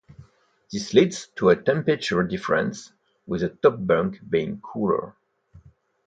This leads to a temperature difference, with the top bunk being cooler.